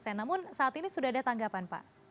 namun saat ini sudah ada tanggapan pak